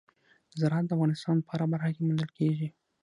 زراعت د افغانستان په هره برخه کې موندل کېږي.